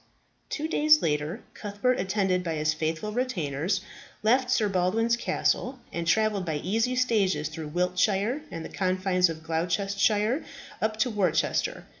Two days later Cuthbert, attended by his faithful retainers, left Sir Baldwin's castle, and travelled by easy stages through Wiltshire and the confines of Gloucestershire up to Worcester.